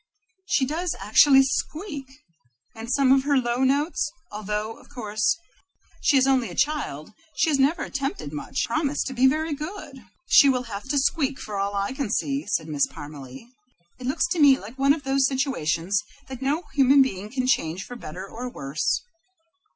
She does actually squeak! and some of her low notes, although, of course, she is only a child, and has never attempted much, promised to be very good." "She will have to squeak, for all I can see," said Miss Parmalee. "It looks to me like one of those situations that no human being can change for better or worse."